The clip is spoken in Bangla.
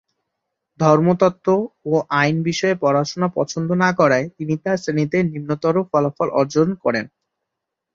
ধর্মতত্ত্ব ও আইন বিষয়ে পড়াশোনা পছন্দ না করায় তিনি তার শ্রেণিতে নিম্নতর ফলাফল অর্জন করেন।